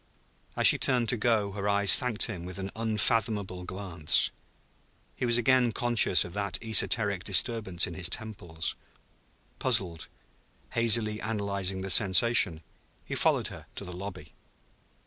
As she turned to go her eyes thanked him with an unfathomable glance. He was again conscious of that esoteric disturbance in his temples. Puzzled, hazily analyzing the sensation, he followed her to the lobby.